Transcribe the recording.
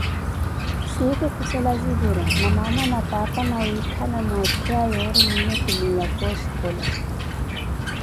Siikhu khusala zivira na maama na paapa nawiikhala nootthela yoori miiyo kiniyaka oxkola.